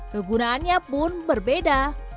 kegunaannya pun berbeda